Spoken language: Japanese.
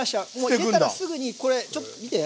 入れたらすぐにこれちょっと見て。